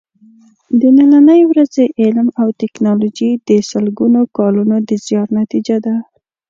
د نننۍ ورځې علم او ټېکنالوجي د سلګونو کالونو د زیار نتیجه ده.